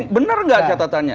benar gak catatannya